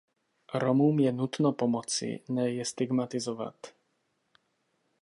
Romům je nutno pomoci, ne je stigmatizovat.